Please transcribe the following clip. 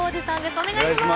お願いします。